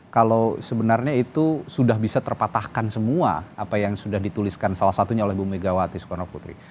kalau sebenarnya itu sudah bisa terpatahkan semua apa yang sudah dituliskan salah satunya oleh bu megawati soekarno putri